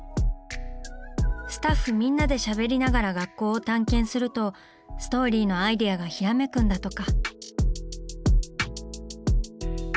スタッフみんなでしゃべりながら学校を探検するとストーリーのアイデアがひらめくんだとか。